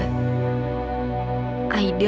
perkataan indira ada benarnya juga